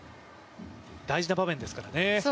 大事な場面ですからね。